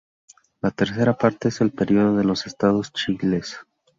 La tercera parte es el periodo de los estados chiíes.